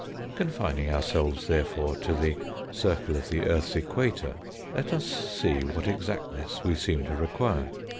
Confining ourselves, therefore, to the circle of the earth's equator, let us see what exactness we seem to require.